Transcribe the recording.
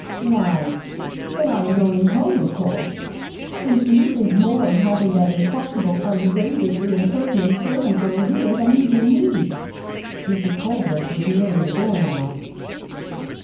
"Why, that I am going home, of course since you think more of having that impossible, outrageously impertinent servant girl here than you do me." Mrs. Colebrook was nearing the door how.